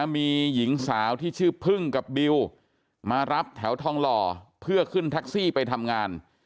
มีหญิงสาวที่ชื่อพึ่งกับบิวมารับแถวทองหล่อเพื่อขึ้นแท็กซี่ไปทำงาน